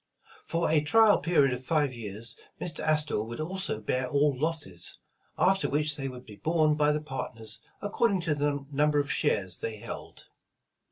For a trial period of five years, Mr. Astor would also bear all losses, after which they would be borne by the partners according to the number of shares they held.